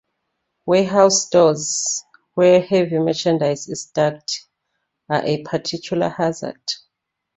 Warehouse stores where heavy merchandise is stacked are a particular hazard.